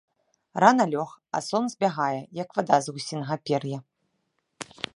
Рана лёг, а сон збягае, як вада з гусінага пер'я.